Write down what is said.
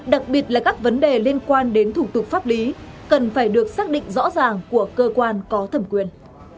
đặc biệt là các vấn đề liên quan đến thủ tục pháp lý cần phải được xác định rõ ràng của cơ quan có thẩm quyền